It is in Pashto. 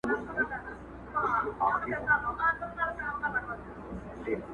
لکه باران اوس د هيندارو له کوڅې وځم~